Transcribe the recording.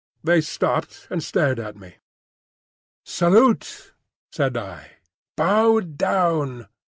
They stopped and stared at me. "Salute!" said I. "Bow down!"